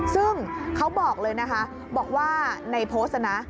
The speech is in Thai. ซึ่งเขาบอกเลยนะคะบอกว่าในโพสต์นะ